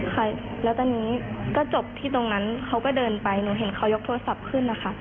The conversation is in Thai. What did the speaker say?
ค่ะแล้วตอนนี้ก็จบที่ตรงนั้นเขาก็เดินไปหนูเห็นเขายกโทรศัพท์ขึ้นนะคะ